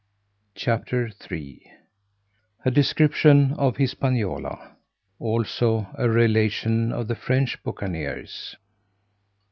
CHAPTER III _A Description of Hispaniola. Also a Relation of the French Buccaneers.